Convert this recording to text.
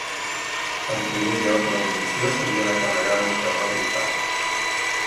En primer lloc, la munició s'havia de carregar en un canó rifat.